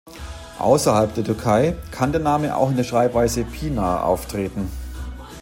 Außerhalb der Türkei kann der Name auch in der Schreibweise "Pinar" auftreten.